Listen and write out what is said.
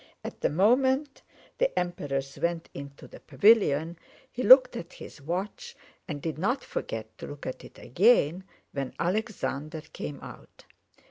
At the moment the Emperors went into the pavilion he looked at his watch, and did not forget to look at it again when Alexander came out.